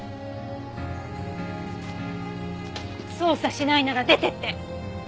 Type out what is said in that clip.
捜査しないなら出てって。